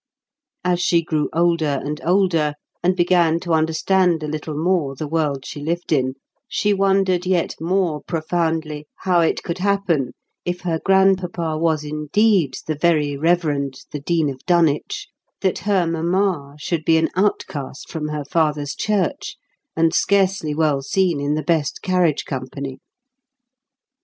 As she grew older and older, and began to understand a little more the world she lived in, she wondered yet more profoundly how it could happen, if her grandpapa was indeed the Very Reverend the Dean of Dunwich, that her mamma should be an outcast from her father's church, and scarcely well seen in the best carriage company.